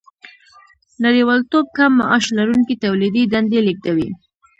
نړیوالتوب کم معاش لرونکي تولیدي دندې لېږدوي